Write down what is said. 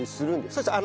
そうですね。